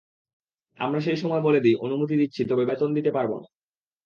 আমরা সেই সময় বলে দিই অনুমতি দিচ্ছি, তবে বেতন দিতে পারব না।